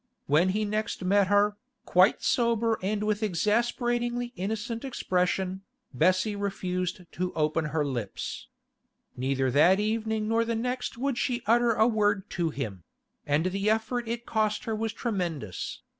When he next met her, quite sober and with exasperatingly innocent expression, Bessie refused to open her lips. Neither that evening nor the next would she utter a word to him—and the effort it cost her was tremendous.